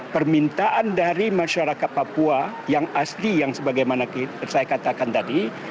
permintaan dari masyarakat papua yang asli yang sebagaimana saya katakan tadi